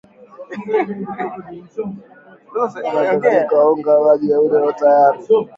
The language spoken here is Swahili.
kanda mchanganyiko wa unga na maji hadi uwe tayari